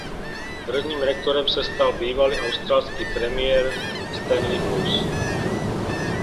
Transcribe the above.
Prvním rektorem se stal bývalý australský premiér Stanley Bruce.